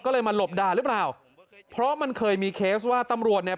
ก็เลยมาหลบด่าหรือเปล่าเพราะมันเคยมีเคสว่าตำรวจเนี่ย